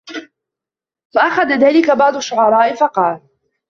فَأَخَذَ ذَلِكَ بَعْضُ الشُّعَرَاءِ فَقَالَ